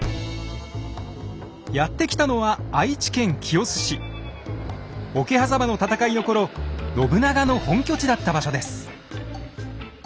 やって来たのは桶狭間の戦いの頃信長の本拠地だった場所です。